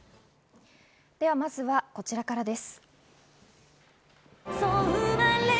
ではまずは、こちらからです。